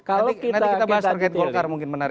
nanti kita bahas target volcar mungkin menarik